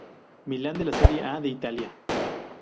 Milan de la Serie A de Italia.